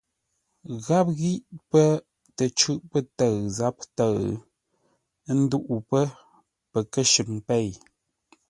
Gháp ghí pə́ tə cʉ́ʼ pə́ tə̂ʉ záp tə̌ʉ, ə́ ndúʼú pə́ pəkə́shʉŋ pêi.